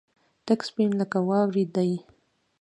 تک سپين لکه واورې دي.